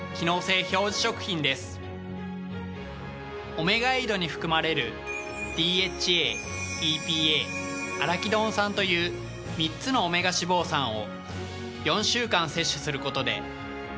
オメガエイドに含まれるＤＨＡＥＰＡアラキドン酸という３つのオメガ脂肪酸を。